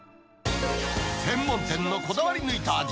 専門店のこだわり抜いた味。